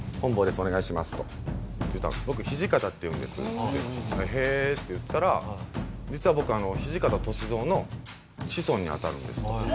お願いします」と言ったら「僕土方っていうんです」っつって「へえ」って言ったら「実は僕土方歳三の子孫に当たるんです」と。